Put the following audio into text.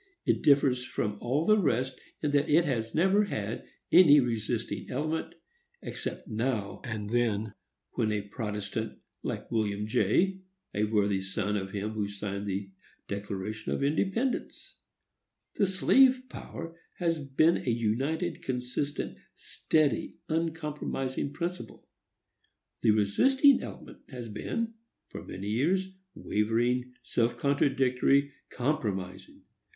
It differs from all the rest in that it has never had any resisting element, except now and then a protestant, like William Jay, a worthy son of him who signed the Declaration of Independence. The slave power has been a united, consistent, steady, uncompromising principle. The resisting element has been, for many years, wavering, self contradictory, compromising.